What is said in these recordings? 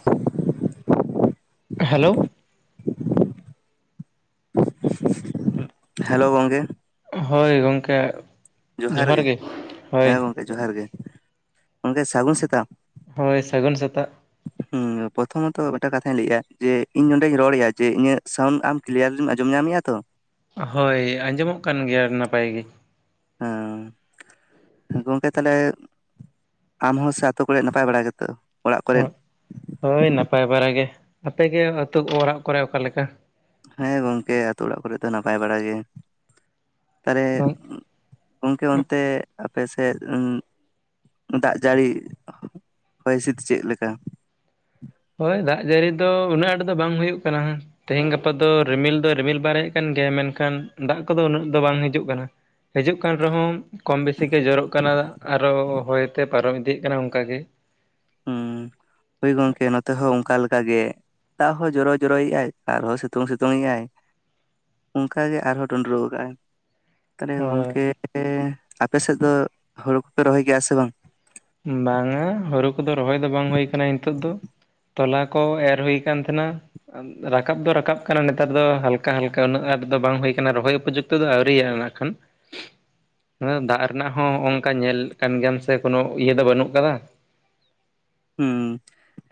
[inaudible] Hello hello ᱜᱚᱝᱠᱮ ᱦᱳᱭ ᱜᱚᱝᱠᱮ ᱡᱚᱦᱟᱨ ᱜᱮ, ᱦᱮᱸ ᱜᱚᱝᱠᱮ ᱡᱚᱦᱟᱨ ᱜᱮ, ᱜᱚᱝᱠᱮ ᱥᱟᱹᱜᱩᱱ ᱥᱮᱛᱟᱜ? ᱦᱳᱭ ᱥᱟᱹᱜᱩᱱ ᱥᱮᱛᱟᱜ, [inaudible] ᱮᱸ ᱯᱨᱚᱛᱷᱚᱢᱚᱛᱚ ᱢᱤᱫᱴᱟᱝ ᱠᱟᱛᱷᱟᱧ ᱞᱟᱹᱭᱮᱼᱟ, ᱡᱮ ᱤᱧ ᱱᱚᱸᱰᱮᱧ ᱨᱚᱲᱮᱼᱟ ᱡᱮ ᱤᱧᱟᱹᱜ ᱥᱟᱣᱩᱱᱰ ᱟᱢ ᱠᱤᱞᱭᱟᱹᱨᱞᱤ ᱟᱸᱡᱚᱢ ᱧᱟᱢᱮᱫᱼᱟ ᱛᱚ? ᱦᱳᱭ ᱟᱸᱡᱚᱢᱚᱜ ᱠᱟᱱ ᱜᱮᱭᱟ ᱱᱟᱯᱟᱭ ᱜᱮ ᱾ ᱦᱮᱸ ᱜᱚᱝᱠᱮ ᱛᱟᱦᱚᱞᱮ ᱟᱢ ᱦᱚᱸ ᱥᱟᱛᱳ ᱠᱚᱨᱮ ᱱᱟᱯᱟᱭ ᱵᱟᱲᱟ ᱜᱮᱛᱚ? ᱚᱲᱟᱜ ᱠᱚᱨᱮᱫ ᱦᱳᱸ ᱦᱳᱭ ᱱᱟᱯᱟᱭ ᱵᱟᱲᱟᱜ ᱜᱮ, ᱟᱯᱮᱜᱮ ᱟᱹᱛᱩ ᱚᱲᱟᱜ ᱠᱚᱨᱮ ᱚᱠᱟᱞᱮᱠᱟ? ᱦᱮᱸ ᱜᱚᱝᱠᱮ ᱟᱹᱛᱩ ᱚᱲᱟᱜ ᱠᱚᱨᱮ ᱫᱚ ᱱᱟᱯᱟᱭ ᱵᱟᱲᱟ ᱜᱮ ᱾ ᱛᱟᱦᱚᱞᱮ ᱜᱚᱝᱠᱮ ᱚᱱᱛᱮ ᱟᱯᱮ ᱥᱮᱫ ᱫᱟᱜ ᱡᱟᱹᱲᱤ, ᱦᱚᱭ ᱦᱤᱥᱤᱫ ᱪᱮᱫ ᱞᱮᱠᱟ? ᱦᱳᱭ ᱫᱟᱜ ᱡᱟᱹᱲᱤ ᱫᱚ ᱩᱱᱟᱹᱜ ᱟᱸᱴ ᱫᱚ ᱵᱟᱝ ᱦᱩᱭᱩᱜ ᱠᱟᱱᱟ᱾ ᱛᱮᱦᱮᱧ ᱜᱟᱯᱟ ᱫᱚ ᱨᱤᱢᱤᱞ ᱫᱚ ᱨᱤᱢᱤᱞ ᱵᱟᱨᱮᱡ ᱠᱟᱱ ᱜᱮᱭᱟ ᱢᱮᱱᱠᱷᱟᱱ ᱫᱟᱜ ᱠᱚᱫᱚ ᱩᱱᱟᱹᱜ ᱫᱚ ᱵᱟᱝ ᱦᱤᱡᱩᱜ ᱠᱟᱱᱟ᱾ ᱦᱤᱡᱩᱜ ᱠᱟᱱ ᱨᱮᱦᱚᱸᱢ ᱠᱚᱢ ᱵᱤᱥᱤ ᱜᱮᱡᱮᱨᱚᱜ ᱠᱟᱱᱟ ᱟᱨᱚ ᱦᱚᱭᱛᱮ ᱯᱟᱨᱚᱢ ᱤᱫᱤᱜ ᱠᱟᱱᱟ ᱚᱱᱠᱟᱜ ᱜᱮ᱾ ᱦᱩᱸ, ᱦᱳᱭ ᱜᱚᱝᱠᱮ ᱱᱚᱛᱮ ᱦᱚᱸ ᱚᱱᱠᱟ ᱞᱮᱠᱟᱜ ᱜᱮ᱾ ᱫᱟᱜ ᱦᱚᱸ ᱡᱚᱨᱚ ᱡᱚᱨᱚᱭᱮᱜᱼᱟᱭ ᱟᱨᱦᱚᱸ ᱥᱤᱛᱩᱝ ᱥᱤᱛᱩᱝᱮᱜᱼᱟᱭ᱾ ᱚᱝᱠᱟ ᱜᱮ ᱟᱨᱦᱚᱸ ᱰᱩᱸᱰᱨᱩᱜ ᱟᱠᱟᱜ ᱟᱭ᱾ ᱛᱟᱦᱞᱮ ᱦᱳᱭ ᱜᱚᱝᱠᱮ ᱟᱯᱮ ᱥᱮᱫ ᱫᱚ ᱦᱩᱲᱩ ᱠᱚᱯᱮ ᱨᱚᱦᱚᱭ ᱜᱮᱭᱟ ᱥᱮ ᱵᱟᱝ? ᱵᱟᱝᱟ, ᱦᱩᱲᱩ ᱠᱚᱫᱚ ᱨᱚᱦᱚᱭ ᱫᱚ ᱵᱟᱝ ᱦᱩᱭ ᱠᱟᱱᱟ ᱱᱤᱛᱚᱜ ᱫᱚ᱾ ᱛᱚᱞᱟ ᱠᱚ ᱮᱨ ᱦᱩᱭ ᱠᱟᱱ ᱛᱟᱸᱦᱮᱱᱟ᱾ ᱨᱟᱠᱟᱵ ᱫᱚ ᱨᱟᱠᱟᱵ ᱠᱟᱱᱟ ᱱᱮᱛᱟᱨ ᱫᱚ ᱦᱟᱞᱠᱟ ᱦᱟᱞᱠᱟ ᱩᱱᱟᱹᱜ ᱟᱸᱴ ᱫᱚ ᱵᱟᱝ ᱦᱩᱭ ᱟᱠᱟᱱᱟ ᱨᱚᱦᱚᱭ ᱩᱯᱚᱡᱩᱠᱛᱚ ᱫᱚ ᱟᱹᱣᱨᱤᱤᱭᱟ ᱱᱟᱜ ᱠᱷᱟᱱ᱾ [inaudible] ᱦᱮᱸ, ᱫᱟᱜ ᱨᱮᱱᱟᱜ ᱦᱚᱸ ᱦᱚᱜ-ᱚᱝᱠᱟ ᱧᱮᱞᱮᱫ ᱠᱟᱱ ᱜᱮᱭᱟᱢ ᱥᱮ ᱠᱳᱱᱳ ᱤᱭᱟᱹ ᱫᱚ ᱵᱟᱹᱱᱩᱜ ᱠᱟᱫᱟ᱾ ᱦᱩᱸ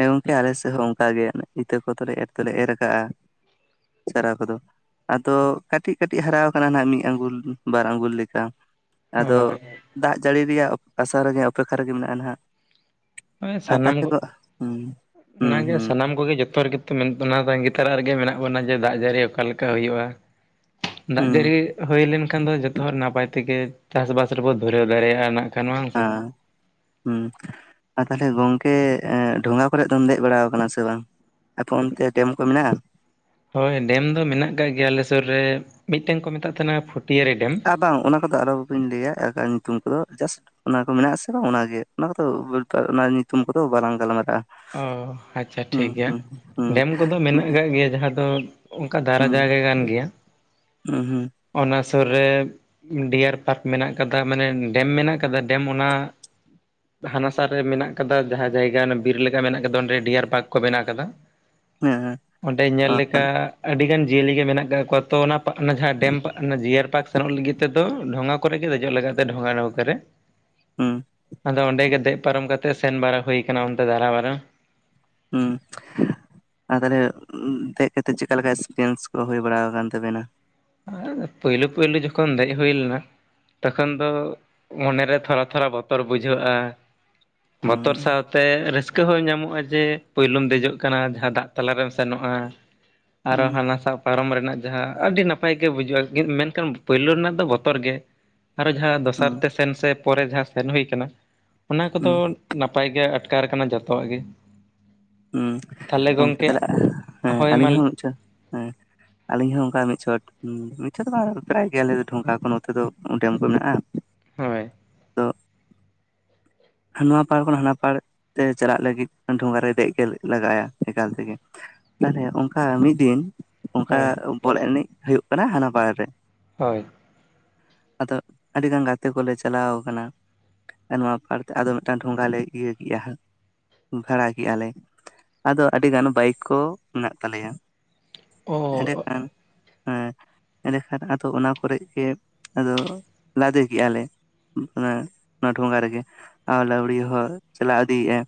ᱜᱚᱝᱠᱮ ᱟᱞᱮ ᱥᱮᱫ ᱦᱚᱸ ᱚᱱᱠᱟ ᱜᱮ ᱤᱛᱟᱹ ᱠᱚᱫᱚᱞᱮ ᱮᱨ ᱛᱮᱞᱮ ᱮᱨ ᱠᱟᱜᱼᱟ᱾ ᱪᱟᱨᱟ ᱠᱚᱫᱚ ᱟᱫᱚ ᱠᱟᱹᱴᱤᱡ ᱠᱟᱹᱴᱤᱡ ᱦᱟᱨᱟᱣ ᱠᱟᱱᱟ ᱱᱟᱜ ᱢᱤᱫ ᱟᱸᱜᱩᱞ ᱵᱟᱨ ᱟᱸᱜᱩᱞ ᱞᱮᱠᱟ ᱟᱫᱚ ᱦᱳᱭ ᱫᱟᱜ ᱡᱟᱹᱲᱤ ᱨᱮᱭᱟᱜ ᱟᱥᱟ ᱨᱮᱜᱮ ᱚᱯᱮᱠᱠᱷᱟ ᱨᱮᱜᱮ ᱢᱮᱱᱟᱜᱼᱟ ᱱᱟᱜ᱾ ᱦᱩᱸ, ᱥᱟᱱᱟᱢ ᱠᱚ ᱦᱩᱸ ᱦᱩᱸ ᱚᱱᱟᱜᱮ ᱦᱩᱸ ᱥᱟᱱᱟᱢ ᱠᱚᱜᱮ ᱡᱚᱛᱚ ᱨᱮᱜᱮ ᱚᱱᱟ ᱛᱺᱜᱤ ᱛᱟᱨᱟ ᱨᱮᱜᱮ ᱢᱮᱱᱟᱜ ᱵᱚᱱᱟ ᱡᱮ ᱫᱟᱜ ᱡᱟᱹᱲᱤ ᱚᱠᱟ ᱞᱮᱠᱟ ᱦᱩᱭᱩᱜᱼᱟ, ᱫᱟᱜ ᱦᱩᱸ ᱡᱟᱹᱲᱤ ᱦᱩᱭ ᱞᱮᱱᱠᱷᱟᱱ ᱫᱚ ᱡᱚᱛᱚ ᱦᱚᱲ ᱱᱟᱯᱟᱭ ᱛᱮᱜᱮ ᱪᱟᱥ-ᱵᱟᱥ ᱨᱮᱵᱚ ᱫᱷᱩᱨᱟᱹᱣ ᱫᱟᱲᱮᱭᱟᱜᱼᱟ ᱱᱟᱜ᱾ ᱠᱷᱟᱱ ᱵᱟᱝ ᱥᱮ ᱦᱮᱸ᱾ ᱦᱩᱸ, ᱟᱨ ᱛᱟᱦᱞᱮ ᱜᱚᱝᱠᱮ ᱮᱸ ᱰᱷᱚᱸᱜᱟ ᱠᱚᱨᱮ ᱫᱚᱢ ᱫᱮᱡ ᱵᱟᱲᱟᱣ ᱟᱠᱟᱱᱟ ᱥᱮ ᱵᱟᱝ? ᱟᱯᱮ ᱚᱱᱛᱮ ᱰᱮᱢ ᱠᱚ ᱢᱮᱱᱟᱜᱼᱟ? ᱦᱳᱭ ᱰᱮᱢ ᱫᱚ ᱢᱮᱱᱟᱜ ᱠᱟᱜ ᱜᱮᱭᱟ ᱟᱞᱮ ᱥᱩᱨ ᱨᱮ, ᱢᱤᱫᱴᱟᱹᱝ ᱠᱚ ᱢᱮᱛᱟᱜ ᱛᱟᱦᱮᱱᱟ ᱯᱷᱩᱴᱭᱟᱹᱨᱤ ᱰᱮᱢ᱾ ᱟᱨ ᱵᱟᱝ ᱚᱱᱟ ᱠᱚᱫᱚ ᱟᱞᱚ ᱵᱮᱱ ᱞᱟᱹᱭᱟ ᱮᱴᱟᱜ ᱧᱩᱛᱩᱢ ᱠᱚᱫᱚ, ᱡᱟᱥᱴ ᱚᱱᱟ ᱠᱚ ᱢᱮᱱᱟᱜ-ᱟ ᱥᱮ ᱵᱟᱝ ᱚᱱᱟᱜᱮ, ᱚᱱᱟ ᱠᱚᱫᱚ ᱵᱮᱯᱟᱨ ᱚᱱᱟ ᱧᱩᱛᱩᱢ ᱠᱚᱫᱚ ᱵᱟᱞᱟᱝ ᱜᱟᱞᱢᱟᱨᱟᱜᱼᱟ᱾ ᱚ, ᱟᱪᱪᱷᱟ ᱦᱩᱸ ᱴᱷᱤᱠ ᱜᱮᱭᱟ᱾ ᱦᱩᱸ ᱦᱩᱸ ᱰᱮᱢ ᱠᱚᱫᱚ ᱢᱮᱱᱟᱜ ᱟᱠᱟᱜ ᱜᱮᱭᱟ ᱡᱟᱦᱟᱸ ᱫᱚ ᱚᱝᱠᱟ ᱫᱷᱟᱨᱟ ᱦᱩᱸ ᱡᱟᱭᱜᱟ ᱠᱟᱱ ᱜᱮᱭᱟ᱾ ᱦᱩᱸ ᱦᱩᱸ᱾ ᱚᱱᱟ ᱥᱩᱨ ᱨᱮ ᱰᱤᱭᱟᱨ ᱯᱟᱨᱠ ᱢᱮᱱᱟᱜ ᱠᱟᱫᱟ, ᱢᱟᱱᱮ ᱰᱮᱢ ᱢᱮᱱᱟᱜ ᱠᱟᱫᱟ ᱰᱮᱢ ᱚᱱᱟ ᱦᱟᱱᱟᱥᱟ ᱨᱮ ᱢᱮᱱᱟᱜ ᱠᱟᱫᱟ ᱡᱟᱦᱟᱸ ᱡᱟᱭᱜᱟ ᱚᱱᱟ ᱵᱤᱨ ᱞᱮᱠᱟ ᱢᱮᱱᱟᱜ ᱟᱠᱟᱫᱟ ᱚᱸᱰᱮ ᱰᱤᱭᱟᱨ ᱯᱟᱨᱠ ᱠᱚ ᱵᱮᱱᱟ ᱠᱟᱫᱟ᱾ ᱦᱮᱸ ᱚᱸᱰᱮ ᱧᱮᱞ ᱟᱨ ᱞᱮᱠᱟ ᱛᱟᱦᱞᱮ ᱟᱹᱰᱤ ᱜᱟᱱ ᱡᱤᱭᱟᱹᱞᱤ ᱜᱮ ᱢᱮᱱᱟᱜ ᱠᱟᱜ ᱠᱚᱣᱟ, ᱛᱚ ᱚᱱᱟ ᱡᱟᱦᱟᱸ ᱰᱮᱢ ᱡᱤᱭᱟᱨ ᱯᱟᱨᱠ ᱥᱮᱱᱚᱜ ᱞᱟᱹᱜᱤᱫ ᱛᱮᱫᱚ ᱰᱷᱚᱸᱜᱟ ᱠᱚᱨᱮᱜᱮ ᱫᱮᱡᱚᱜ ᱞᱟᱜᱟᱜ ᱛᱮ ᱰᱷᱚᱸᱜᱟ ᱱᱟᱹᱣᱠᱟᱹ ᱨᱮ᱾ ᱦᱩᱸ᱾ ᱟᱫᱚ ᱚᱸᱰᱮ ᱜᱮ ᱫᱮᱡ ᱯᱟᱨᱚᱢ ᱠᱟᱛᱮᱜ ᱥᱮᱱ ᱵᱟᱨᱟ ᱦᱩᱭ ᱟᱠᱟᱱᱟ ᱚᱱᱛᱮ ᱫᱟᱨᱟᱵᱟᱨᱟ᱾ ᱦᱩᱸ᱾ ᱟᱨ ᱛᱟᱦᱞᱮ ᱫᱮᱡ ᱠᱟᱛᱮᱫ ᱪᱮᱠᱟ ᱞᱮᱠᱟ ᱮᱠᱥᱯᱮᱨᱤᱭᱮᱱᱥ ᱠᱚ ᱦᱩᱭ ᱵᱟᱲᱟ ᱟᱠᱟᱱ ᱛᱟᱵᱮᱱᱟ? ᱯᱳᱭᱞᱳ ᱯᱳᱭᱞᱳ ᱡᱚᱠᱷᱚᱱ ᱫᱮᱡ ᱦᱩᱭᱞᱮᱱᱟ ᱛᱚᱠᱷᱚᱱ ᱫᱚ ᱢᱚᱱᱮ ᱨᱮ ᱛᱷᱚᱲᱟ ᱛᱷᱚᱲᱟ ᱵᱚᱛᱚᱨ ᱵᱩᱡᱷᱟᱹᱜᱼᱟ᱾ ᱵᱚᱛᱚᱨ ᱦᱩᱸ ᱥᱟᱶᱛᱮ ᱨᱟᱹᱥ ᱠᱟᱹ ᱦᱚᱸ ᱧᱟᱢᱚᱜᱼᱟ ᱡᱮ ᱯᱳᱭᱞᱳᱢ ᱫᱮᱡᱚᱜ ᱠᱟᱱᱟ ᱡᱟᱦᱟᱸ ᱫᱟᱜ ᱛᱟᱞᱟᱨᱮᱢ ᱥᱮᱱᱚᱜᱼᱟ᱾ ᱟᱨᱚ ᱦᱩᱸ ᱦᱟᱱᱟᱥᱟ ᱯᱟᱨᱚᱢ ᱨᱮᱱᱟᱜ ᱡᱟᱦᱟᱸ ᱟᱹᱰᱤ ᱱᱟᱯ ᱯᱟᱭ ᱜᱮ ᱵᱩᱡᱷᱟᱹᱜ-ᱟ, ᱢᱮᱱᱠᱷᱟᱱ ᱯᱳᱭᱞᱳ ᱨᱮᱱᱟᱜ ᱫᱚ ᱵᱚᱛᱚᱨ ᱜᱮ᱾ ᱟᱨᱚ ᱡᱟᱦᱟᱸ ᱫᱚᱥᱟᱨ ᱦᱩᱸ ᱛᱮ ᱥᱮᱱ ᱥᱮ ᱯᱚᱨᱮ ᱡᱟᱦᱟᱸ ᱥᱮᱱ ᱦᱩᱭ ᱠᱟᱱᱟ᱾ ᱚᱱᱟ ᱠᱚᱫᱚ ᱦᱩᱸ ᱱᱟᱯᱟᱭ ᱜᱮ ᱟᱴᱠᱟᱨ ᱟᱠᱟᱱᱟ ᱡᱚᱛᱚᱣᱟᱜ ᱜᱮ᱾ ᱛᱟᱦᱚᱞᱮ ᱜᱚᱝᱠᱮ ᱜᱚᱢᱠᱮ ᱛᱟᱦᱞᱮ, ᱦᱮ, ᱸ ᱦᱳᱭ ᱢᱟ ᱟᱹᱞᱤᱧ ᱦᱚᱸ ᱟᱪᱪᱷᱟ, ᱦᱮᱸ᱾ ᱟᱞᱤᱧ ᱦᱚᱸ ᱚᱝᱠᱟ ᱢᱤᱫ ᱪᱷᱚᱴ, ᱢᱤᱫ ᱪᱷᱚᱴ ᱫᱚ ᱵᱟᱝᱟ ᱯᱨᱟᱭ ᱜᱮ ᱟᱞᱮ ᱫᱚ ᱰᱷᱚᱸᱜᱟ ᱠᱚ ᱱᱚᱛᱮ ᱫᱚ ᱰᱮᱢ ᱠᱚ ᱢᱮᱱᱟᱜᱼᱟ᱾ ᱦᱳᱭ᱾ ᱛᱚ ᱱᱚᱣᱟ ᱯᱟᱲ ᱠᱷᱚᱱ ᱦᱟᱱᱟ ᱯᱟᱲ ᱛᱮ ᱪᱟᱞᱟᱜ ᱞᱟᱹᱜᱤᱫ ᱰᱷᱚᱸᱜᱟᱨᱮ ᱫᱮᱡ ᱜᱮ ᱞᱟᱜᱟᱭᱟ ᱮᱠᱟᱞ ᱛᱮᱜᱮ᱾ ᱛᱟᱦᱞᱮ ᱚᱱᱠᱟ ᱢᱤᱫ ᱫᱤᱱ, ᱚᱱᱠᱟ ᱦᱳᱭ ᱵᱚᱞ ᱮᱱᱮᱡ ᱦᱩᱭᱩᱜ ᱠᱟᱱᱟ ᱦᱟᱱᱟ ᱯᱟᱲ ᱨᱮ᱾ ᱦᱳᱭ᱾ ᱟᱫᱚ ᱟᱹᱰᱤ ᱜᱟᱱ ᱜᱟᱛᱮ ᱠᱚᱞᱮ ᱪᱟᱞᱟᱣ ᱠᱟᱱᱟ ᱮ ᱱᱚᱣᱟ ᱯᱟᱨᱠ ᱟᱫᱚ ᱢᱤᱫᱴᱟᱝ ᱰᱷᱚᱸᱜᱟ ᱞᱮ ᱤᱭᱟᱹ ᱠᱮᱜᱼᱟ ᱦᱟᱸᱜ ᱵᱷᱟᱲᱟ ᱠᱮᱜᱼᱟ ᱞᱮ ᱟᱫᱚ ᱟᱹᱰᱤ ᱜᱟᱱ ᱵᱟᱭᱤᱠ ᱠᱚ ᱢᱮᱱᱟᱜ ᱛᱟᱞᱮᱭᱟ᱾ ᱚ ᱮᱸᱰᱮᱠᱷᱟᱱ ᱦᱮᱸ, ᱮᱸᱰᱮᱠᱷᱟᱱ ᱟᱫᱚ ᱚᱱᱟ ᱠᱚᱨᱮᱜ ᱜᱮ ᱟᱫᱚ ᱞᱟᱫᱮ ᱠᱮᱜᱼᱟ ᱞᱮ᱾ ᱚᱱᱮ ᱚᱱᱟ ᱰᱷᱚᱸᱜᱟ ᱨᱮᱜᱮ ᱟᱨ ᱞᱟᱹᱣᱲᱤ ᱦᱚᱸ ᱪᱟᱞᱟᱣ ᱤᱫᱤᱭᱮᱜ-ᱟᱭ,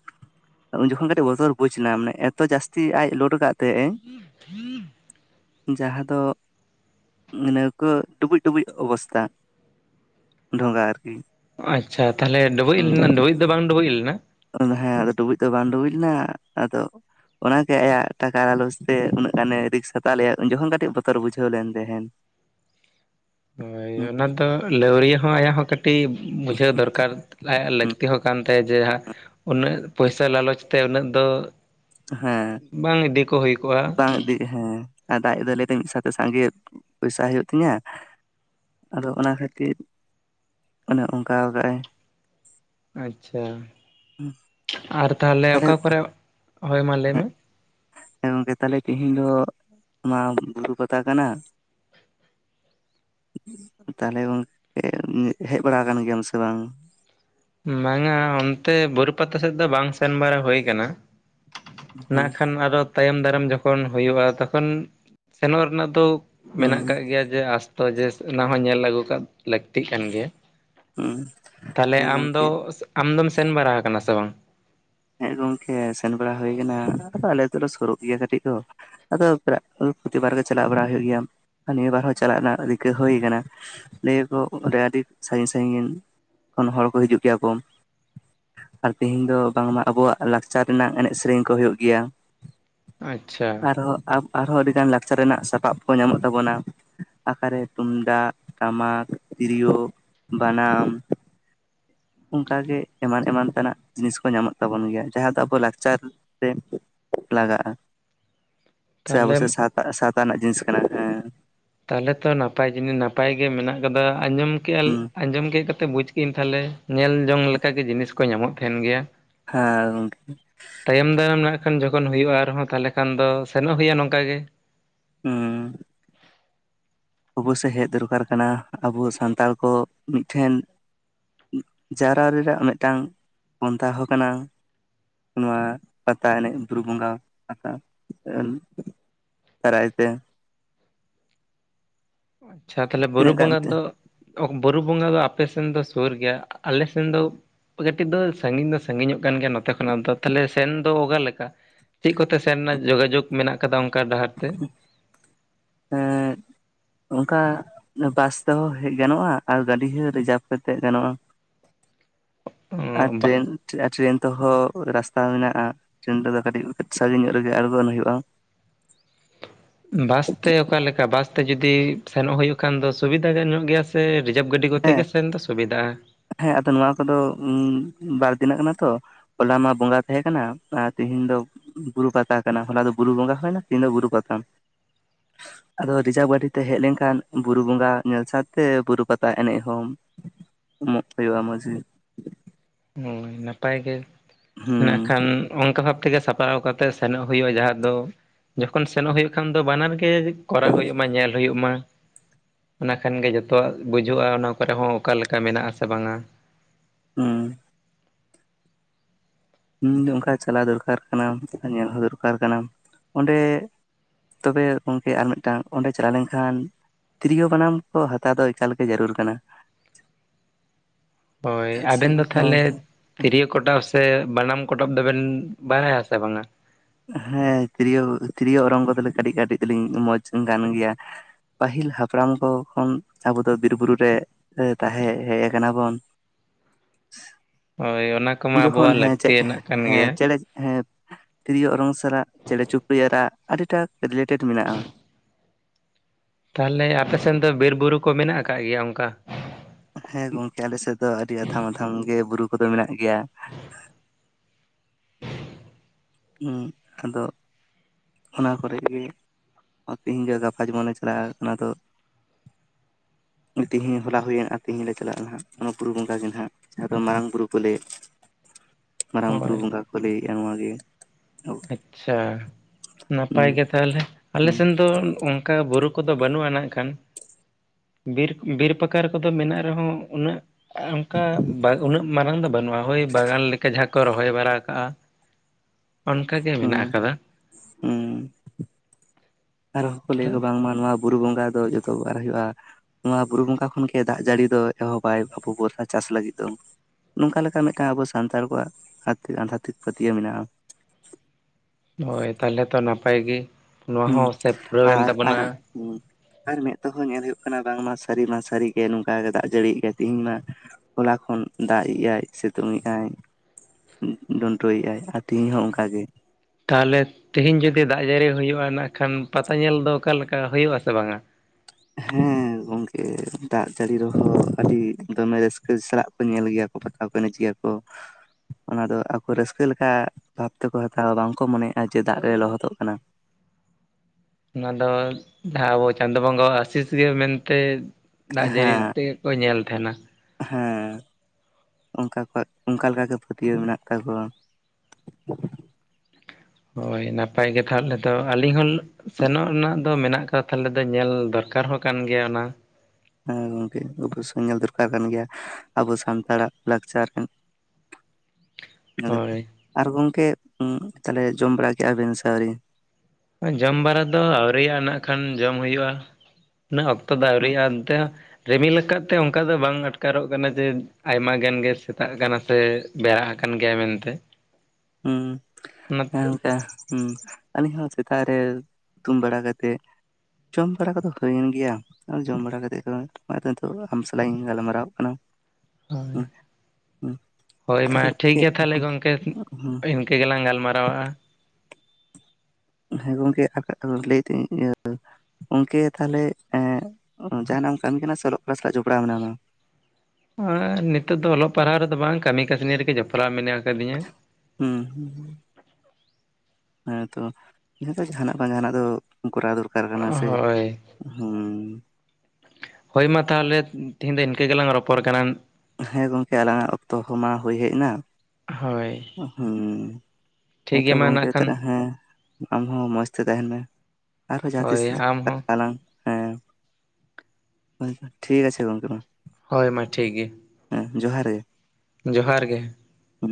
ᱩᱱ ᱡᱚᱠᱷᱚᱱ ᱠᱟᱹᱴᱤᱡ ᱵᱚᱛᱚᱨ ᱵᱩᱡᱽ ᱱᱟ, ᱢᱟᱱᱮ ᱮᱛᱚ ᱡᱟᱹᱥᱛᱤ ᱟᱡ ᱞᱳᱰ ᱠᱟᱫ ᱛᱟᱦᱮᱸᱜ ᱮ ᱡᱟᱦᱟᱸ ᱫᱚ ᱱᱟᱹᱣᱠᱟᱹ ᱰᱩᱵᱩᱡ ᱰᱩᱵᱩᱡ ᱚᱵᱚᱥᱛᱟ ᱰᱷᱚᱸᱜᱟ ᱟᱨᱠᱤ᱾ ᱟᱪᱪᱷᱟ ᱛᱟᱦᱚᱞᱮ ᱰᱩᱵᱩᱡ ᱞᱮᱱᱟ ᱰᱩᱵᱩᱡ ᱫᱚ ᱵᱟᱝ ᱰᱩᱵᱩᱡ ᱞᱮᱱᱟ? ᱟᱫᱚ ᱦᱮᱸ ᱟᱫᱚ ᱰᱩᱵᱩᱡ ᱫᱚ ᱵᱟᱝ ᱰᱩᱵᱩᱡ ᱞᱮᱱᱟ, ᱟᱫᱚ ᱚᱱᱟ ᱜᱮ ᱟᱭᱟᱜ ᱴᱟᱠᱟ ᱞᱟᱞᱚᱪ ᱛᱮ ᱩᱱᱟᱹᱜ ᱜᱟᱱᱮ ᱨᱤᱠᱥ ᱦᱟᱛᱟᱣ ᱞᱮᱭᱟᱭ ᱩᱱ ᱡᱚᱠᱷᱚᱱ ᱠᱟᱹᱴᱤᱡ ᱵᱚᱛᱚᱨ ᱵᱩᱡᱷᱟᱹᱣ ᱞᱮᱱ ᱛᱟᱦᱮᱸᱱ᱾ ᱦᱳᱭ, ᱦᱩᱸ ᱚᱱᱟ ᱫᱚ ᱞᱟᱹᱣᱨᱤᱭᱟᱹ ᱦᱚᱸ ᱟᱭᱟᱜ ᱦᱚᱸ ᱠᱟᱹᱴᱤᱡ ᱵᱩᱡᱷᱟᱹᱣ ᱫᱚᱨᱠᱟᱨ᱾ ᱞᱟᱭᱟᱜ ᱦᱩᱸ ᱞᱟᱹᱠᱛᱤ ᱦᱚᱸ ᱠᱟᱱ ᱛᱟᱭᱟ ᱡᱮ ᱩᱱᱟᱹᱜ ᱯᱚᱭᱥᱟ ᱞᱟᱞᱚᱪ ᱛᱮ ᱩᱱᱟᱹᱜ ᱫᱚ ᱦᱮᱸ᱾ ᱵᱟᱝ ᱤᱫᱤᱠ ᱠᱚ ᱦᱩ ᱵᱟᱝ ᱤᱫᱤ ᱦᱮᱸ ᱟᱡ ᱫᱚ ᱞᱟᱹᱭ ᱛᱟᱹᱧ ᱢᱤᱫ ᱥᱟᱶᱛᱮ ᱥᱟᱸᱜᱮ ᱯᱚᱭᱥᱟ ᱦᱩᱭᱩᱜ ᱛᱤᱧᱟ, ᱟᱫᱚ ᱚᱱᱟ ᱠᱷᱟᱹᱛᱤᱨ ᱚᱱᱮ ᱚᱝᱠᱟ ᱠᱟᱜᱼᱟᱭ᱾ ᱟᱪᱪᱷᱟ, ᱟᱨ ᱛᱟᱦᱚᱞᱮ ᱛᱟᱦᱞᱮ ᱚᱠᱟ ᱠᱚᱨᱮᱜ, ᱦᱳᱭ ᱢᱟ ᱞᱟᱹᱭᱢᱮ᱾ ᱦᱮᱸ ᱜᱚᱝᱠᱮ ᱛᱟᱦᱚᱞᱮ ᱛᱤᱦᱤᱧ ᱫᱚ ᱚᱱᱟ ᱵᱩᱨᱩ ᱯᱟᱛᱟ ᱠᱟᱱᱟ, ᱛᱟᱦᱚᱞᱮ ᱜᱚᱝᱠᱮ ᱦᱮᱡ ᱵᱟᱲᱟ ᱠᱟᱱ ᱜᱮᱭᱟᱢ ᱥᱮ ᱵᱟᱝ? ᱵᱟᱝᱼᱟ ᱚᱱᱛᱮ ᱵᱩᱨᱩ ᱯᱟᱛᱟ ᱥᱮᱫ ᱫᱚ ᱵᱟᱝ ᱥᱮᱱ ᱵᱟᱲᱟ ᱦᱩᱭ ᱠᱟᱱᱟ᱾ ᱦᱩᱸ ᱱᱟᱜᱼᱠᱷᱟᱱ ᱟᱨᱚ ᱛᱟᱭᱚᱢ ᱫᱟᱨᱟᱢ ᱡᱚᱠᱷᱚᱱ ᱦᱩᱭᱩᱜᱼᱟ, ᱛᱚᱠᱷᱚᱱ ᱥᱮᱱᱚᱜ ᱨᱮᱱᱟᱜ ᱫᱚ ᱦᱩᱸ ᱢᱮᱱᱟᱜ ᱠᱟᱜ ᱜᱮᱭᱟ ᱡᱮ ᱟᱥ ᱛᱚ ᱡᱮ ᱚᱱᱟ ᱦᱚᱸ ᱧᱮᱞ ᱟᱹᱜᱩ ᱠᱫ ᱞᱟᱹᱠᱛᱤᱜ ᱠᱟᱱ ᱜᱮᱭᱟ᱾ ᱦᱩᱸ ᱦᱮᱸ ᱜᱚᱢᱠᱮ᱾ ᱩᱥ ᱟᱢᱫᱢ ᱥᱮᱱ ᱵᱟᱲᱟ ᱠᱟᱱᱟ ᱥᱮ ᱵᱟᱝ? ᱦᱮᱸ ᱜᱚᱝᱠᱮ ᱥᱮᱱ ᱵᱟᱲᱟ ᱦᱩᱭ ᱠᱟᱱᱟ, ᱟᱫᱚ ᱟᱞᱮ ᱫᱚᱞᱮ ᱥᱩᱨᱩᱜ ᱜᱮᱭᱟ ᱠᱟᱹᱴᱤᱡ ᱫᱚ, ᱟᱫᱚ ᱯᱨᱟ ᱯᱨᱚᱛᱤᱵᱟᱨ ᱜᱮ ᱪᱟᱞᱟᱣ ᱵᱟᱲᱟ ᱦᱩᱭᱩᱜ ᱜᱮᱭᱟ, ᱟᱨ ᱱᱤᱭᱟᱹ ᱵᱟᱨ ᱦᱚᱸ ᱪᱟᱞᱟᱜ ᱨᱮᱱᱟᱜ ᱨᱤᱠᱟᱹ ᱦᱩᱭ ᱠᱟᱱᱟ᱾ ᱞᱟ. ᱭ ᱟᱠᱚ [unintelligible] ᱰᱤᱯ ᱥᱟᱹᱜᱤᱧ ᱥᱟᱹᱜᱤᱧ ᱠᱷᱚᱱ ᱦᱚᱲ ᱠᱚ ᱦᱤᱡᱩᱜ ᱜᱮᱭᱟ ᱠᱚ᱾ ᱟᱨ ᱛᱮᱤᱦᱮᱧ ᱫᱚ ᱵᱟᱝᱢᱟ ᱟᱵᱚᱣᱟᱜ ᱞᱟᱠᱪᱟᱨ ᱨᱮᱱᱟᱜ ᱮᱱᱮᱡ ᱥᱮᱨᱮᱧ ᱠᱚ ᱦᱩᱭᱩᱜ ᱜᱮᱭᱟ, ᱟᱪᱪᱷᱟ ᱟᱨᱦᱚᱸ ᱟᱵ ᱟᱨᱦᱚᱸ ᱟᱹᱰᱤ ᱜᱟᱱ ᱞᱟᱠᱪᱟᱨ ᱨᱮᱱᱟᱜ ᱥᱟᱯᱟᱵ ᱠᱚ ᱧᱟᱢᱚᱜ ᱛᱟᱵᱚᱱᱟ᱾ ᱟᱠᱟᱨᱮ ᱛᱩᱢᱫᱟᱜ, ᱴᱟᱢᱟᱠ, ᱛᱤᱨᱭᱳ, ᱵᱟᱱᱟᱢ, ᱩᱱᱠᱟᱜᱮ ᱮᱢᱟᱱ ᱮᱢᱟᱱ ᱛᱮᱱᱟᱜ ᱡᱤᱱᱤᱥ ᱠᱚ ᱧᱟᱢᱚᱜ ᱛᱟᱵᱚᱱ ᱜᱮᱭᱟ, ᱡᱟᱦᱟᱸ ᱫᱚ ᱟᱵᱚ ᱞᱟᱠᱪᱟᱨ ᱨᱮ ᱞᱟᱜᱟᱜᱼᱟ, ᱥᱮ ᱟᱵᱚ ᱥᱮ ᱛᱟᱦᱚᱞᱮ ᱥᱟᱶᱛᱟ ᱨᱮᱱᱟᱜ ᱡᱤᱱᱤᱥ ᱠᱟᱱᱟ ᱦᱮᱸ᱾ ᱛᱟᱦᱚᱞᱮ ᱛᱚ ᱱᱟᱯᱟᱭ ᱡᱤᱱᱤᱥ ᱱᱟᱯᱟᱭ ᱜᱮ ᱢᱮᱱᱟᱜ ᱠᱟᱫᱟ, ᱟᱸᱡᱚᱢ ᱠᱮᱜᱼᱟ ᱦᱩᱸ ᱟᱸᱡᱚᱢ ᱠᱮᱫ ᱠᱟᱛᱮ ᱵᱩᱡ ᱠᱤᱱ ᱛᱟᱦᱚᱞᱮ ᱧᱮᱞ ᱡᱚᱝ ᱞᱮᱠᱟᱜᱮ ᱡᱤᱱᱤᱥ ᱠᱚ ᱧᱟᱢᱚᱜ ᱛᱟᱦᱮᱸᱱ ᱜᱮᱭᱟ᱾ ᱦᱮᱸ ᱜᱚᱝᱠᱮ᱾ ᱛᱟᱭᱚᱢ ᱫᱟᱨᱟᱢ ᱱᱟᱜᱼᱠᱷᱟᱱ ᱡᱚᱠᱷᱚᱱ ᱦᱩᱭᱩᱜᱼᱟ ᱟᱨᱦᱚᱸ ᱛᱟᱦᱚᱞᱮ ᱠᱷᱟᱱ ᱫᱚ ᱥᱮᱱᱚᱜ ᱦᱩᱭᱩᱜᱼᱟ ᱱᱚᱝᱠᱟ ᱜᱮ᱾ ᱦᱩᱸ᱾ ᱚᱵᱚᱥᱥᱳᱭ ᱦᱮᱡ ᱫᱚᱨᱠᱟᱨ ᱠᱟᱱᱟ, ᱟᱵᱚ ᱥᱟᱱᱛᱟᱲ ᱠᱚ ᱢᱤᱫ ᱴᱷᱮᱱ ᱡᱟᱣᱨᱟ ᱨᱮᱭᱟᱜ ᱢᱤᱫᱴᱟᱝ ᱯᱚᱱᱛᱷᱟ ᱦᱚᱸ ᱠᱟᱱᱟ᱾ ᱱᱚᱣᱟ ᱯᱟᱛᱟ ᱮᱱᱮᱡ ᱵᱩᱨᱩ ᱵᱚᱸᱜᱟ ᱯᱟᱛᱟ [unintelligible] ᱫᱟᱨᱟᱭ ᱛᱮ᱾ ᱟᱪᱪᱷᱟ ᱛᱟᱦᱚᱞᱮ ᱵᱩᱨᱩ ᱛᱤᱱᱟᱹᱜ ᱜᱟᱱ ᱵᱚᱸᱜᱟ ᱛᱮ ᱫᱚ ᱵᱩᱨᱩ ᱵᱚᱸᱜᱟ ᱫᱚ ᱟᱯᱮ ᱥᱮᱱ ᱫᱚ ᱥᱩᱨ ᱜᱮᱭᱟ ᱟᱞᱮ ᱥᱮᱱ ᱫᱚ ᱠᱟᱹᱴᱤᱡ ᱫᱚ ᱥᱟᱺᱜᱤᱧ ᱫᱚ ᱥᱟᱺᱜᱤᱧᱚᱜ ᱠᱟᱱ ᱜᱮᱭᱟ ᱱᱚᱛᱮ ᱠᱷᱚᱱᱟᱜ ᱫᱚ ᱛᱟᱦᱞᱮ ᱥᱮᱱ ᱫᱚ ᱚᱠᱟ ᱞᱮᱠᱟ? ᱪᱮᱫ ᱠᱚᱛᱮ ᱥᱮᱱ ᱨᱮᱱᱟᱜ ᱡᱳᱜᱟ-ᱡᱳᱜᱽ ᱢᱮᱱᱟᱜ ᱟᱠᱟᱫᱟ ᱚᱱᱠᱟ ᱰᱟᱦᱟᱨ ᱛᱮ? ᱮᱸᱜ ᱚᱱᱠᱟ ᱵᱟᱥ ᱛᱮᱦᱚᱸ ᱦᱮᱡ ᱜᱟᱱᱚᱜᱼᱟ ᱟᱨ ᱜᱟᱹᱰᱤ ᱦᱚᱸ ᱨᱤᱡᱟᱵᱷ ᱠᱟᱛᱮᱫ ᱜᱟᱱᱚᱜᱼᱟ ᱾ ᱟᱨ ᱴᱨᱮᱱ ᱟᱨ ᱴᱨᱮᱱ ᱛᱮᱦᱚᱸ ᱨᱟᱥᱛᱟ ᱢᱮᱱᱟᱜᱼᱟ, ᱴᱨᱮᱱ ᱨᱮᱫᱚ ᱠᱟᱹᱴᱤᱡ ᱥᱟᱹᱜᱤᱧ ᱧᱚᱜ ᱨᱮᱜᱮ ᱟᱬᱜᱚᱱ ᱦᱩᱭᱩᱜᱼᱟ ᱾ ᱵᱟᱥᱛᱮ ᱚᱠᱟᱞᱮᱠᱟ ᱵᱟᱥᱛᱮ ᱡᱩᱫᱤ ᱥᱮᱱᱚᱜ ᱦᱩᱭᱩᱜ ᱠᱷᱟᱱ ᱫᱚ ᱥᱩᱵᱤᱫᱷᱟ ᱜᱟᱱ ᱧᱚᱜ ᱜᱮᱭᱟ ᱥᱮ? ᱥᱮ ᱨᱤᱡᱟᱵᱽ ᱜᱟᱹᱰᱤ ᱠᱚᱛᱮᱜ ᱦᱮᱸ ᱜᱮ ᱥᱮᱱ ᱫᱚ ᱥᱩᱵᱤᱫᱟᱜᱼᱟ? ᱦᱮᱸ ᱟᱫᱚ ᱱᱚᱣᱟ ᱠᱚᱫᱚ ᱵᱟᱨ ᱫᱤᱱᱟᱜ ᱠᱟᱱᱟ ᱛᱚ ᱾ ᱦᱚᱞᱟ ᱢᱟ ᱵᱚᱸᱜᱟ ᱛᱟᱦᱮᱸ ᱠᱟᱱᱟ, ᱛᱮᱦᱮᱧ ᱫᱚ ᱵᱩᱨᱩ ᱯᱟᱛᱟ ᱠᱟᱱᱟ, ᱦᱚᱞᱲ ᱫᱚ ᱵᱩᱨᱩ ᱵᱚᱸᱜᱟ ᱦᱩᱭᱱᱟ ᱛᱤᱦᱤᱧ ᱫᱚ ᱵᱩᱨᱩ ᱯᱟᱛᱟ ᱾ ᱟᱫᱚ ᱨᱤᱡᱟᱨᱵᱷ ᱜᱟᱹᱰᱤᱛᱮ ᱦᱮᱡ ᱞᱮᱱᱠᱷᱟᱱ ᱵᱩᱨᱩ ᱵᱚᱸᱜᱟ ᱧᱮᱞ ᱥᱟᱶᱛᱮ ᱵᱩᱨᱩ ᱯᱟᱛᱟ ᱮᱱᱮᱡ ᱦᱚᱸ ᱢᱚᱜ ᱦᱳᱭᱳᱜ-ᱟ ᱢᱚᱡᱽ ᱜᱮ ᱾ ᱦᱩᱸ ᱱᱟᱯᱟᱭ ᱜᱮ ᱦᱩᱸ ᱱᱟᱜ ᱠᱷᱟᱱ ᱚᱱᱠᱟ ᱵᱷᱟᱵ ᱛᱮᱜᱮ ᱥᱟᱯ ᱲᱟᱣ ᱠᱟᱛᱮ ᱥᱮᱱᱚᱜ ᱦᱩᱭᱩᱜᱼᱟ ᱡᱟᱦᱟᱸ ᱫᱚ ᱡᱚᱠᱷᱚᱱ ᱥᱮᱱᱚᱜ ᱦᱩᱭᱩᱜ ᱠᱷᱟᱱ ᱫᱚ ᱵᱟᱱᱟᱨ ᱜᱮ ᱠᱚᱨᱟᱣ ᱦᱩᱭᱩᱜ ᱢᱟ ᱧᱮᱞ ᱦᱩᱭᱩᱜ ᱢᱟ ᱾ ᱚᱱᱟ ᱠᱷᱟᱱ ᱜᱮ ᱡᱚᱛᱚᱣᱟᱜ ᱵᱩᱡᱷᱩᱜᱼᱟ ᱚᱱᱟ ᱠᱚᱨᱮ ᱦᱚᱸ ᱚᱠᱟ ᱞᱮᱠᱟ ᱢᱮᱱᱟᱜ ᱟᱥᱮ ᱵᱟᱝᱟ ᱾ ᱦᱩᱸ ᱾ ᱤᱧ ᱫᱚ ᱚᱱᱠᱟ ᱪᱟᱞᱟᱣ ᱫᱚᱨᱠᱟᱨ ᱠᱟᱱᱟ ᱧᱮᱞ ᱦᱚᱸ ᱫᱚᱨᱠᱟᱨ ᱠᱟᱱᱟ ᱚᱸᱰᱮ ᱛᱚᱵᱮ ᱜᱚᱢᱠᱮ ᱟᱨ ᱢᱤᱫᱴᱟᱝ ᱚᱸᱰᱮ ᱪᱟᱞᱟᱣ ᱞᱮᱱᱠᱷᱟᱱ ᱛᱤᱨᱭᱳ ᱵᱟᱱᱟᱢ ᱠᱚ ᱦᱟᱛᱟᱣ ᱫᱚ ᱮᱠᱟᱞ ᱜᱮ ᱡᱟᱹᱨᱩᱲ ᱠᱟᱱᱟ ᱾ ᱦᱳᱭ, ᱟᱵᱮᱱ ᱫᱚ ᱦᱮᱸ ᱛᱟᱦᱞᱮ‌ ᱛᱤᱨᱭᱳ ᱠᱚᱴᱟᱵ ᱥᱮ ᱵᱟᱱᱟᱢ ᱠᱚᱴᱟᱵ ᱫᱚᱵᱮᱱ ᱵᱟᱰᱟᱭᱟ ᱥᱮ ᱵᱟᱝᱟ? ᱦᱮᱸ ᱛᱤᱨᱭᱳ ᱛᱤᱨᱭᱳ ᱚᱨᱚᱝ ᱠᱚᱫᱚ ᱠᱟᱹᱴᱤᱡ ᱠᱟᱹᱴᱤᱡ ᱫᱚᱞᱤᱧ ᱢᱚᱡᱽ ᱜᱟᱱ ᱜᱮᱭᱟ ᱾ ᱯᱟᱹᱦᱤᱞ ᱦᱟᱯᱲᱟᱢ ᱠᱚ ᱠᱷᱚᱱ ᱟᱵᱚ ᱫᱚ ᱵᱤᱨᱼᱵᱩᱨᱩ ᱨᱮ ᱛᱟᱦᱮᱸ ᱦᱮᱡ ᱟᱠᱟᱱᱟ ᱵᱚᱱ ᱾ ᱦᱳᱭ ᱚᱱᱟ ᱠᱚᱢᱟ ᱡᱚᱠᱷᱚᱱ ᱟᱵᱚᱣᱟᱜ ᱦᱮᱸ ᱪᱮᱫ ᱞᱟᱹᱠᱛᱤᱭᱟᱱᱟᱜ ᱦᱮᱸ ᱠᱟᱱ ᱜᱮᱭᱟ [unintelligible] ᱦᱮᱸ ᱛᱤᱨᱭᱳ ᱚᱨᱚᱝ ᱥᱟᱞᱟᱜ ᱪᱮᱬᱮ ᱪᱩᱯᱨᱤ ᱭᱟᱜ ᱨᱟᱜ ᱟᱹᱰᱤᱴᱟᱜ ᱨᱤᱞᱮᱴᱮᱰ ᱢᱮᱱᱟᱜᱼᱟ ᱾ ᱛᱟᱦᱞᱮ ᱟᱯᱮ ᱥᱮᱱ ᱫᱚ ᱵᱤᱨ ᱵᱩᱨᱩ ᱠᱚ ᱢᱮᱱᱟᱜ ᱟᱠᱟᱫ ᱜᱮᱭᱟ ᱚᱱᱠᱟ? ᱦᱮᱸ ᱜᱚᱝᱠᱮ ᱟᱞᱮ ᱥᱮᱫ ᱫᱚ ᱟᱹᱰᱤ ᱟᱫᱷᱟᱢ ᱟᱫᱷᱟᱢ ᱜᱮ ᱵᱩᱨᱩ ᱠᱚᱫᱚ ᱢᱮᱱᱟᱜ ᱜᱮᱭᱟ ᱾ ᱩᱸ ᱟᱫᱚ ᱚᱱᱟ ᱠᱚᱨᱮ ᱜᱮ ᱛᱤᱦᱤᱧ ᱫᱚ ᱜᱟᱯᱟ ᱡᱮᱢᱚᱱᱮ ᱪᱟᱞᱟᱜ-ᱟ ᱚᱱᱟ ᱫᱚ ᱛᱤᱦᱤᱧ ᱦᱚᱞᱟ ᱦᱩᱭᱮᱱᱟ ᱟᱨ ᱛᱮᱦᱤᱧ ᱞᱮ ᱪᱟᱞᱟᱜᱼᱟ ᱱᱷᱟᱜ, ᱚᱱᱟ ᱵᱩᱨᱩ ᱵᱚᱸᱜᱟ ᱜᱮ ᱱᱟᱦᱟᱜ ᱾ ᱟᱫᱚ ᱢᱟᱨᱟᱝ ᱵᱩᱨᱩ ᱠᱚ ᱞᱟᱹᱭᱮᱫ ᱾ ᱢᱟᱨᱟᱝ ᱵᱩᱨᱩ ᱦᱳᱭ ᱵᱚᱸᱜᱟ ᱠᱚ ᱞᱟᱹᱭᱮᱫᱼᱟ ᱱᱚᱣᱟ ᱜᱮ ᱾ ᱟᱪᱪᱷᱟ ᱦᱩᱸ ᱱᱟᱯᱟᱭ ᱜᱮ ᱛᱟᱦᱚᱞᱮ ᱾ ᱟᱞᱮ ᱦᱩᱸ ᱥᱮᱱ ᱫᱚ ᱚᱱᱠᱟ ᱵᱩᱨᱩ ᱠᱚᱫᱚ ᱵᱟᱹᱱᱩᱜᱼᱟ ᱱᱟᱜ ᱠᱷᱟᱱ ᱾ ᱵᱤᱨ ᱵᱤᱨ ᱯᱟᱠᱟᱨ ᱠᱚᱫᱚ ᱢᱮᱱᱟᱜ ᱨᱮᱦᱚᱸ ᱩᱱᱟᱹᱜ ᱚᱱᱠᱟ ᱵᱟ ᱩᱱᱟᱹᱜ ᱢᱟᱨᱟᱝ ᱫᱚ ᱵᱟᱹᱱᱩᱜᱼᱟ ᱦᱳᱭ ᱵᱟᱜᱟᱱ ᱞᱮᱠᱟ ᱡᱟᱦᱟᱸᱭ ᱠᱚ ᱨᱚᱦᱚᱭ ᱵᱟᱲᱟ ᱠᱟᱜᱼᱟ ᱾ ᱚᱱᱠᱟ ᱜᱮ ᱦᱩᱸ ᱢᱮᱱᱟᱜ ᱟᱠᱟᱫᱟ ᱾ ᱦᱩᱸ ᱾ ᱟᱨᱦᱚᱸ ᱠᱚ ᱞᱟᱹᱭᱟ ᱵᱟᱝᱢᱟ ᱱᱚᱣᱟ ᱵᱩᱨᱩ ᱵᱚᱸᱜᱟ ᱫᱚ ᱡᱚᱛᱚ ᱵᱟᱨ ᱦᱩᱭᱩᱜᱼᱟ ᱱᱚᱣᱟ ᱵᱩᱨᱩ ᱵᱚᱸᱜᱟ ᱠᱷᱚᱱ ᱜᱮ ᱫᱟᱜ ᱡᱟᱹᱲᱤ ᱫᱚ ᱮᱦᱚᱵᱟᱭ ᱟᱵᱚ ᱵᱚᱨᱥᱟ ᱪᱟᱥ ᱞᱟᱹᱜᱤᱫ ᱫᱚ ᱾ ᱱᱚᱝᱠᱟ ᱞᱮᱠᱟ ᱢᱤᱫᱴᱟᱝ ᱟᱵᱚ ᱥᱟᱱᱛᱟᱲ ᱠᱚᱣᱟᱜ ᱟᱛᱷᱤᱠ ᱟᱸᱫᱷᱟᱛᱷᱤᱠ ᱯᱟᱹᱛᱭᱟᱹᱣ ᱢᱮᱱᱟᱜᱼᱟ ᱾ ᱦᱳᱭ ᱛᱟᱦᱚᱞᱮ ᱛᱚ ᱱᱟᱯᱟᱭ ᱜᱮ ᱱᱚᱣᱟ ᱦᱩᱸ ᱦᱚᱸ ᱥᱮᱴ ᱯᱩᱨᱟᱹᱣᱮᱱ ᱟᱨ ᱛᱟᱵᱚᱱᱟ ᱟᱨ ᱾ ᱦᱩᱸ ᱾ ᱟᱨ ᱢᱮᱫ ᱛᱮᱦᱚᱸ ᱧᱮᱞ ᱦᱩᱭᱩᱜ ᱠᱟᱱᱟ ᱵᱟᱝᱢᱟ ᱥᱟᱹᱨᱤ ᱢᱟ ᱥᱟᱹᱨᱤᱜᱮ ᱱᱚᱝᱠᱟ ᱜᱮ ᱫᱟᱜ ᱡᱟᱹᱲᱤᱭᱮᱜ ᱜᱮ ᱛᱮᱦᱤᱧ ᱢᱟ ᱦᱚᱞᱟ ᱠᱷᱚᱱ ᱫᱟᱜ ᱮᱸᱜ ᱟᱭ ᱥᱤᱛᱩᱝ ᱮᱫ ᱟᱭ ᱾ ᱰᱩᱱᱴᱚᱭᱮᱫᱼᱟᱭ, ᱟᱨ ᱛᱮᱦᱤᱧ ᱦᱚᱸ ᱚᱱᱠᱟ ᱜᱮ ᱾ ᱛᱟᱦᱚᱞᱮ ᱛᱮᱦᱮᱤᱧ ᱡᱩᱫᱤ ᱫᱟᱜ ᱡᱟᱹᱲᱤ ᱦᱩᱭᱩᱜᱼᱟ ᱱᱟᱜ ᱠᱷᱟᱱ ᱯᱟᱛᱟ ᱧᱮᱞ ᱫᱚ ᱚᱠᱟ ᱞᱮᱠᱟ ᱦᱩᱭᱩᱜ ᱟᱥᱮ ᱵᱟᱝᱟ? ᱦᱮᱸ ᱜᱚᱝᱠᱮ ᱫᱟᱜ ᱡᱟᱹᱲᱤ ᱨᱮᱦᱚᱸ ᱟᱹᱰᱤ ᱫᱚᱢᱮ ᱨᱟᱹᱥᱠᱟᱹ ᱥᱟᱞᱟᱜ ᱠᱚ ᱧᱮᱞ ᱜᱮᱭᱟ ᱾ ᱯᱟᱛᱟ ᱠᱚ ᱮᱱᱮᱡ ᱜᱮᱭᱟ ᱠᱚ ᱾ ᱚᱱᱟ ᱫᱚ ᱟᱠᱚ ᱨᱟᱹᱥᱠᱟᱹ ᱞᱮᱠᱟ ᱵᱷᱟᱵᱽ ᱛᱮᱠᱚ ᱦᱟᱛᱟᱣᱟ, ᱵᱟᱝᱠᱚ ᱢᱚᱱᱮᱭᱟᱜᱼᱟ ᱡᱮ ᱫᱟᱜ ᱨᱮ ᱞᱚᱦᱚᱫᱚᱜ ᱠᱟᱱᱟ, ᱚᱱᱟ ᱫᱚ ᱡᱟᱦᱟᱸ ᱟᱵᱚ ᱪᱟᱸᱫᱚ ᱵᱚᱸᱜᱟᱣᱟᱜ ᱟᱥᱤᱥ ᱜᱮ ᱢᱮᱱᱛᱮ ᱫᱟᱜ ᱡᱟᱹᱲᱤ ᱛᱮᱹᱜᱮᱹᱠᱚ ᱧᱮᱞ ᱛᱟᱦᱮᱱᱟ᱾ ᱮᱸᱦᱮᱸ, ᱚᱱᱠᱟ ᱠᱚᱣᱟᱜ ᱚᱱᱠᱟ ᱞᱮᱠᱟ ᱜᱮ ᱯᱟᱹᱛᱭᱟᱹᱣ ᱢᱮᱱᱟᱜ ᱛᱟᱠᱚᱣᱟ, ᱦᱳᱭ, ᱱᱟᱯᱟᱭ ᱜᱮ ᱛᱟᱦᱚᱞᱮ ᱛᱚ, ᱟᱹᱞᱤᱧ ᱦᱚᱸ ᱥᱮᱱᱚᱜ ᱨᱮᱱᱟᱜ ᱫᱚ ᱢᱮᱱᱟᱜ ᱟᱠᱟ ᱛᱟᱞᱮ ᱫᱟᱹ ᱧᱮᱞ ᱫᱚᱨᱠᱟᱨ ᱦᱚᱸ ᱠᱟᱱ ᱜᱮᱭᱟ ᱚᱱᱟ, ᱦᱮᱸ, ᱜᱚᱝᱠᱮ ᱳᱵᱳᱥᱥᱳ ᱧᱮᱞ ᱫᱚᱨᱠᱟᱨ ᱠᱟᱱ ᱜᱮᱭᱟ, ᱟᱵᱚ ᱥᱟᱱᱛᱟᱲᱟᱜ ᱞᱟᱠᱪᱟᱨ [inaudible] ᱧᱟᱫᱚ ᱦᱳᱭ ᱟᱨ ᱜᱚᱝᱠᱮ ᱩᱸ ᱛᱟᱞᱮ ᱡᱚᱢ ᱵᱟᱲᱟ ᱠᱮᱜᱼᱟ ᱵᱤᱱ ᱥᱮ ᱟᱹᱣᱨᱤ? ᱚᱸᱭ ᱡᱚᱢ ᱵᱟᱨᱟ ᱫᱚ ᱟᱹᱣᱨᱤᱭᱟ ᱱᱟᱜ ᱠᱷᱟᱱ ᱡᱚᱢ ᱦᱩᱭᱩᱜᱼᱟ᱾ ᱱᱟᱹᱜ ᱚᱠᱛᱚ ᱫᱚ ᱦᱩᱸ ᱟᱣᱨᱤᱭᱟᱜᱼᱟ ᱮᱱᱛᱮ ᱦᱚᱸ ᱨᱤᱢᱤ ᱞᱟᱠᱟᱫ ᱛᱮ ᱚᱱᱠᱟ ᱫᱚ ᱵᱟᱝ ᱟᱴᱠᱟᱨᱚᱜ ᱠᱟᱱᱟ, ᱡᱮ ᱟᱭᱢᱟ ᱜᱟᱱ ᱜᱮ ᱥᱮᱛᱟᱜ ᱟᱠᱟᱱᱟ ᱥᱮ- -ᱵᱮᱨᱟ ᱟᱠᱟᱱ ᱜᱮᱭᱟ ᱢᱮᱱᱛᱮ! ᱩᱸ ᱚᱱᱟᱛᱮ ᱮᱸ, ᱭᱟᱜ ᱦᱩᱸ, ᱟᱹᱞᱤᱧ ᱥᱮᱛᱟᱜ ᱨᱮ ᱛᱩᱢ ᱵᱟᱲᱟ ᱠᱟᱛᱮᱜ ᱡᱚᱢ ᱵᱟᱲᱟ ᱠᱚᱫᱚ ᱦᱩᱭᱮᱱ ᱜᱮᱭᱟ, ᱩᱸ, ᱡᱚᱢ ᱵᱟᱲᱟ ᱠᱟᱛᱮᱫ ᱜᱳᱸ [unintelligible] ᱱᱤᱛᱚᱜ ᱟᱢ ᱥᱟᱞᱟᱜ ᱤᱧ ᱜᱟᱞᱢᱟᱨᱟᱣ ᱠᱟᱱᱟ [unintelligible] ᱦᱳᱭ, ᱦᱩᱸ ᱦᱩᱸ ᱦᱳᱭ ᱢᱟ ᱛᱟᱦᱞᱮ ᱴᱷᱤᱠ ᱜᱚᱝᱠᱮ ᱜᱮᱭᱟ ᱛᱷᱟᱞᱮ ᱜᱚᱝᱠᱮ- ᱦᱩᱸ -ᱤᱱᱠᱟᱹ ᱜᱮᱞᱟᱝ ᱜᱟᱞᱢᱟᱨᱟᱣᱟᱜᱼᱟ᱾ ᱦᱮᱸ, ᱜᱚᱝᱠᱮ [unintelligible] ᱞᱟᱹᱭ ᱛᱤᱧ [unintelligible] ᱤᱭᱟᱹ ᱜᱚᱝᱠᱮ ᱛᱟᱦᱞᱮ ᱮᱸᱜ ᱩᱸ ᱡᱟᱦᱱᱟᱜ ᱮᱢ ᱠᱟᱹᱢᱤ ᱠᱟᱱᱟ ᱥᱮ [unintelligible] ᱚᱞᱚᱜ ᱯᱟᱲᱦᱟᱜ [unintelligible] ᱥᱟᱞᱟᱜ ᱡᱚᱯᱲᱟᱣ ᱢᱮᱱᱟᱢᱟ? ᱦᱚᱸ ᱱᱤᱛᱳᱜ ᱫᱚ ᱚᱞᱚᱜ ᱯᱟᱨᱦᱟᱣ ᱨᱮᱫᱚ ᱵᱟᱝ, ᱠᱟᱹᱢᱤ ᱠᱟᱹᱥᱱᱤ ᱨᱮᱜᱮ ᱡᱚᱯᱨᱟᱣ ᱢᱮᱱᱟᱜ ᱟᱠᱟᱫᱤᱧᱟᱹ᱾ ᱩᱸ, ᱦᱮᱸ ᱛᱚ [unintelligible] ᱡᱟᱦᱟᱱᱟᱜ ᱵᱟᱝ ᱡᱟᱦᱟᱱᱟᱜ ᱫᱚ ᱠᱚᱨᱟᱣ ᱫᱚᱨᱠᱟᱨ ᱠᱟᱱᱟ ᱥᱮ, ᱦᱳᱭ ᱦᱩᱸ, ᱦᱳᱭ ᱢᱟ ᱛᱟᱦᱞᱮ ᱩᱸ ᱛᱤᱦᱤᱧ ᱫᱚ ᱤᱱᱠᱟᱹ ᱜᱮᱞᱟᱝ ᱨᱚᱯᱚᱨ ᱠᱟᱱᱟ, ᱦᱮᱸ, ᱜᱚᱝᱠᱮ ᱟᱞᱟᱝᱟᱜ ᱚᱠᱛᱚ ᱦᱚᱸ ᱢᱟ ᱦᱩᱭ ᱦᱮᱡ ᱮᱱᱟ, ᱦᱳᱭ, ᱦᱩᱸ ᱴᱷᱤᱠ ᱦᱮᱸᱛᱚ ᱜᱮᱭᱟ ᱢᱟ ᱱᱟᱜ ᱜᱚᱝᱠᱮ ᱠᱷᱟᱱ ᱛᱟᱨᱮ ᱦᱮᱸ ᱟᱢ ᱦᱚᱸ ᱢᱚᱡᱽ ᱛᱮ ᱛᱟᱦᱮᱱ ᱢᱮ, ᱟᱨᱦᱚ ᱡᱟᱦᱟ ᱛᱤᱥ ᱦᱳᱭ ᱟᱢ ᱦᱚᱸ ᱟᱞᱟᱝ ᱦᱳᱭ, ᱴᱷᱤᱠ ᱟᱪᱷᱮ ᱜᱚᱝᱠᱮ ᱢᱟᱦ᱾ ᱦᱳᱭ, ᱢᱟ ᱴᱷᱤᱠ ᱜᱮᱭᱟ, ᱦᱮᱸ ᱡᱚᱦᱟᱨ ᱜᱮ, ᱡᱚᱦᱟᱨ ᱜᱮ᱾ ᱦᱩᱸ